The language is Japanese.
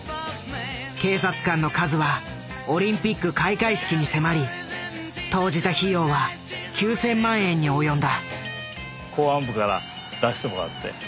警察官の数はオリンピック開会式に迫り投じた費用は９，０００万円に及んだ。